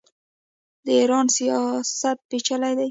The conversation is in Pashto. د ایران سیاست پیچلی دی.